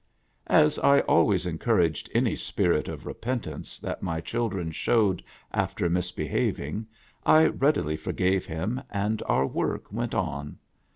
As I always encouraged any spirit of repentance that my children showed after misbehaving, I readily forgave him, and our work went on.